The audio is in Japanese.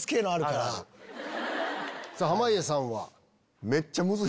さぁ濱家さんは？